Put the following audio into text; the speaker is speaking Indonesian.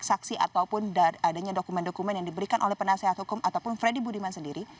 saksi ataupun adanya dokumen dokumen yang diberikan oleh penasehat hukum ataupun freddy budiman sendiri